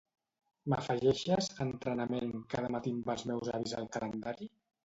M'afegeixes "entrenament" cada matí amb els meus avis al calendari?